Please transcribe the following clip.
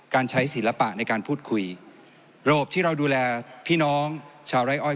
การใช้ศิลปะในการพูดคุยระบบที่เราดูแลพี่น้องชาวไร้อ้อย